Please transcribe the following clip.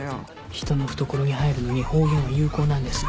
人の懐に入るのに方言は有効なんです。